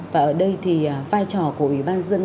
và ở đây thì vai trò của ủy ban dân các tỉnh